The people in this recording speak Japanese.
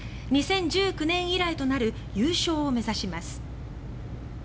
２０１９年以来となる優勝を目指します。